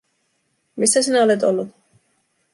Missä sinä olet ollut?